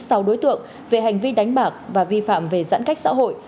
sau đối tượng về hành vi đánh bạc và vi phạm về giãn cách xã hội